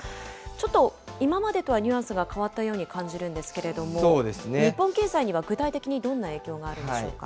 ちょっと今までとはニュアンスが変わったように感じるんですけれども、日本経済には具体的に、どんな影響があるんでしょうか？